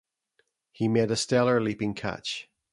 He made a stellar leaping catch.